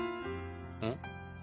うん？